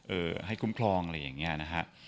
ให้คุ้มครองอะไรอย่างนี้นะฮะ